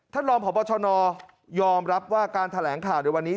ท่านรองพบชนยอมรับว่าการแถลงข่าวในวันนี้